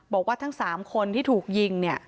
บอกว่าทั้ง๓คนที่ถูกยิง